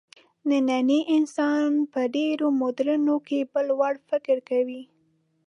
نننی انسان په ډېرو موردونو کې بل وړ فکر کوي.